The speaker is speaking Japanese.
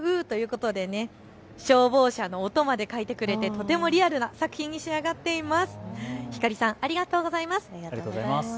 それからここはうーうーということで消防車の音まで書いてくれてとてもリアルな作品に仕上がっています。